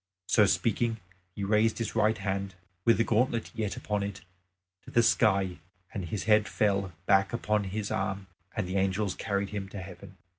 So speaking he raised his right hand, with the gauntlet yet upon it, to the sky, and his head fell back upon his arm and the angels carried him to heaven.